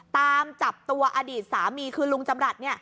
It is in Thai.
ตามจับตัวอดีตสามีคือลุงจำรัฐ